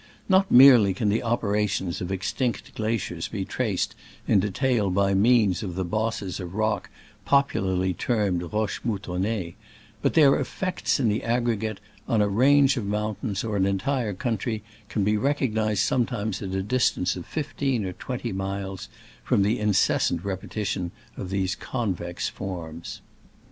Not merely can the opera tions of extinct glaciers be traced in de tail by means of the bosses of rock pop ularly termed roches vioutonnees, but their effects in the ag gregate, on a range of mountains or an en tire country, can be recognized sometimes at a distance of fifteen or twenty miles, from the incessant repeti tion of these convex forms.